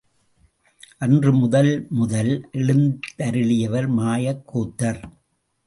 அன்று முதல் முதல் எழுந்தருளியவர் மாயக் கூத்தர்.